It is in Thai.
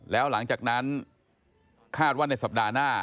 แล้วหลังจากนั้นคาดว่าในสัปดาห์หน้า